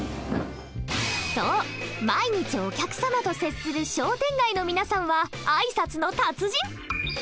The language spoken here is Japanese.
そう毎日お客様と接する商店街の皆さんは挨拶の達人！